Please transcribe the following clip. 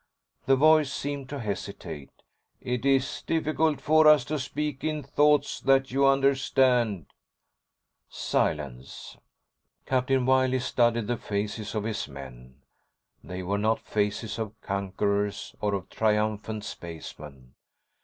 The voice seemed to hesitate. "It is difficult for us to speak in thoughts that you understand." ———— Silence. Captain Wiley studied the faces of his men. They were not faces of conquerors or of triumphant spacemen.